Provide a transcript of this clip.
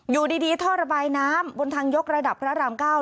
อยู่ดีท่อระบายน้ำบนทางยกระดับพระราม๙